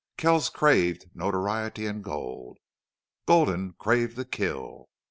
Kells craved notoriety and gold; Gulden craved to kill.